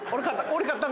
俺勝った？